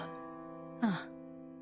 ああ。